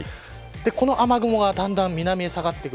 この雨雲がだんだん南に下がっていく。